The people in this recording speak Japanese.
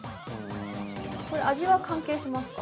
◆味は関係しますか。